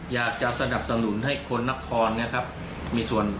อยากจะสนับสนุนให้คนนักคลอนเนี่ยครับมีส่วน